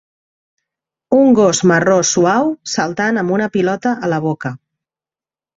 Un gos marró suau saltant amb una pilota a la boca.